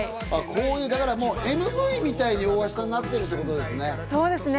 だからＭＶみたいに大橋さん、なってるということですね。